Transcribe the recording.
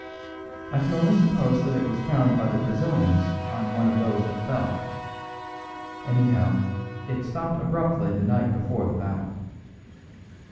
I can only suppose that it was found by the Brazilians on one of those that fell. Anyhow, it stopped abruptly the night before the battle.